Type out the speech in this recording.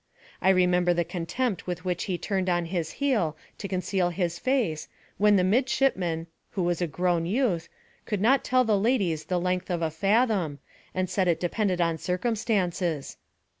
I remember the contempt with which he turned on his heel to conceal his face, when the midshipman (who was a grown youth) could not tell the ladies the length of a fathom, and said it depended on circumstances.